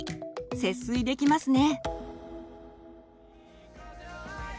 節水できますね。